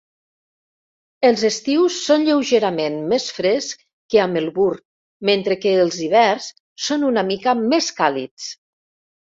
Els estius són lleugerament més frescs que a Melbourne, mentre que els hiverns són una mica més càlids.